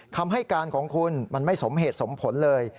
คำให้การของคุณมันไม่สมเหตุสมผลเลย